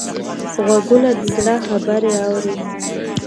غوږونه د زړه خبرې اوري